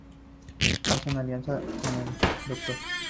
Hace una alianza con el Dr.